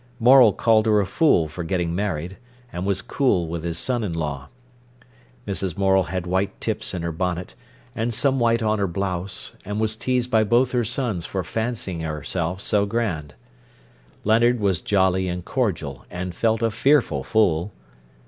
Morel called her a fool for getting married, and was cool with his son in law. Mrs. Morel had white tips in her bonnet, and some white on her blouse, and was teased by both her sons for fancying herself so grand. Leonard was jolly and cordial, and felt a fearful fool.